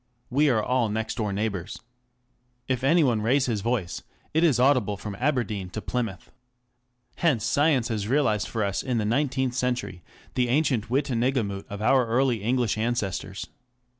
We are all next door neighbours. If any one raise his voice, it is audible from Aberdeen to Plymouth. Hence science has realized for us in the nineteenth century the ancient Witanagemote of our early English ancestors.